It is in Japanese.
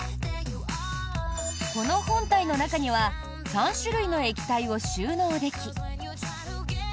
この本体の中には３種類の液体を収納でき。